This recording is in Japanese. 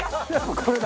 これだ！